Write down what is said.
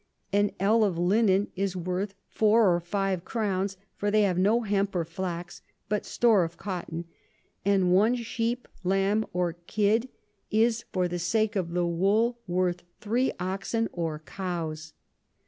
An Ell of Linen is worth four or five Crowns; for they have no Hemp or Flax, but store of Cotton: and one Sheep, Lamb or Kid, is for the sake of the Wool worth three Oxen or Cows.